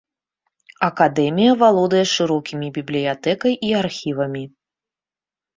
Акадэмія валодае шырокімі бібліятэкай і архівамі.